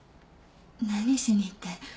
何しにって。